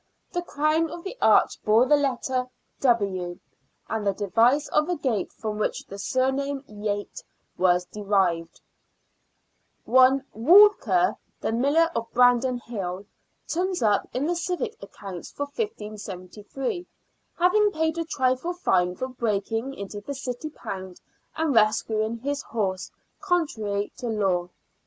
The crown of the arch bore the letter " W " and the device of a gate, from which the surname Yate was derived. One Walker, " the miller of Brandon Hill," turns up in PURCHASE OF BRANDON HILL SUMMIT. 59 the civic accounts for 1573, having paid a trifling fine for breaking into the city pound and rescuing his horse, con trary to law.